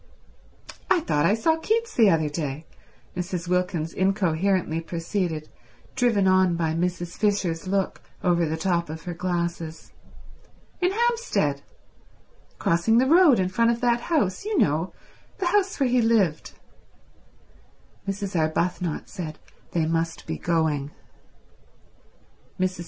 "I thought I saw Keats the other day," Mrs. Wilkins incoherently proceeded, driven on by Mrs. Fisher's look over the top of her glasses. "In Hampstead—crossing the road in front of that house—you know—the house where he lived—" Mrs. Arbuthnot said they must be going. Mrs.